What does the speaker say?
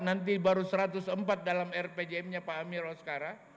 dua ribu dua puluh empat nanti baru satu ratus empat dalam rpjm nya pak amir rolsekara